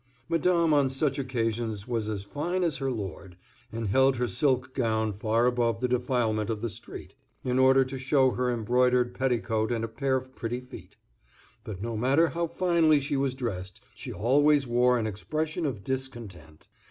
Madame on such occasions was as fine as her lord, and held her silk gown far above the defilement of the street, in order to show her embroidered petticoat and a pair of pretty feet. But no matter how finely she was dressed she always wore an expression of discontent.